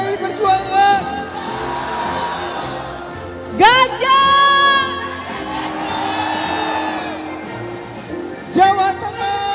pdi perjuangan merdeka